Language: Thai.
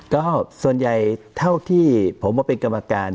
ก็ส่วนใหญ่เท่าที่ผมมาเป็นกรรมการ